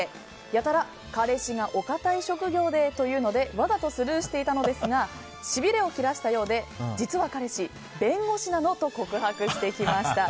やたら彼氏がお堅い職業でと言うのでわざとスルーしていたのですがしびれを切らしたようで実は彼氏弁護士なのと告白してきました。